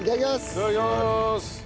いただきまーす！